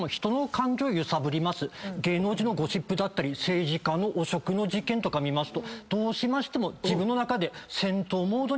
芸能人のゴシップだったり政治家の汚職事件とか見ますとどうしましても自分の中で。